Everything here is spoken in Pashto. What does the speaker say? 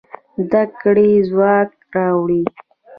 زده کړه ځواک راوړي.